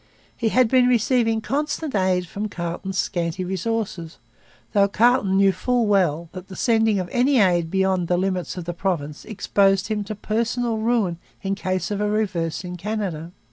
He had been receiving constant aid from Carleton's scanty resources, though Carleton knew full well that the sending of any aid beyond the limits of the province exposed him to personal ruin in case of a reverse in Canada.